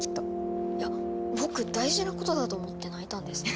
いや僕大事なことだと思って泣いたんですけど。